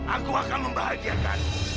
aku akan membahagiakanmu